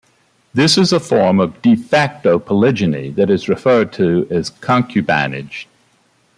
This is a form of "de facto" polygyny that is referred to as concubinage.